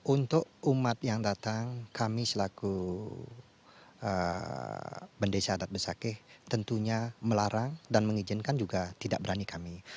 untuk umat yang datang kami selaku bendesa adat besakeh tentunya melarang dan mengizinkan juga tidak berani kami